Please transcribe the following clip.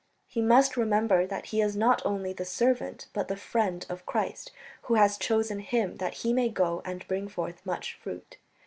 He must remember that he is not only the servant but the friend of Christ, who has chosen him that he may go and bring forth much fruit.